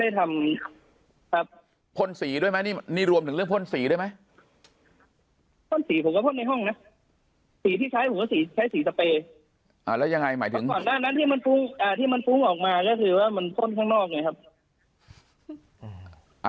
เออยังไงหมายถึงบอบนั้นที่มันปรุงออกมาก็คิดว่ามันเพิ่มข้างนอกไงครับ